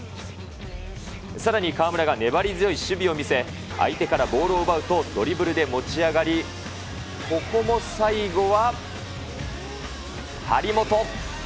さらに、河村が粘り強い守備を見せ、相手からボールを奪うと、ドリブルで持ち上がり、ここも最後は張本。